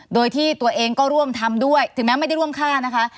โดยที่ตัวเองก็ร่วมทำด้วยถึงแม้ไม่ได้ร่วมฆ่านะคะ